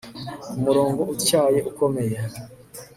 Ku murongo utyaye ukomeye